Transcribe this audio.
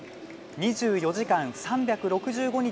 ２４時間３６５日